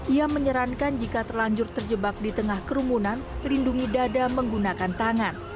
ia menyarankan jika terlanjur terjebak di tengah kerumunan lindungi dada menggunakan tangan